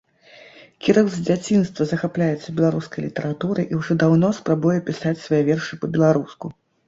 Кірыл з дзяцінства захапляецца беларускай літаратурай і ўжо даўно спрабуе пісаць свае вершы па-беларуску.